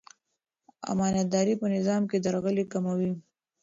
امانتداري په نظام کې درغلي کموي.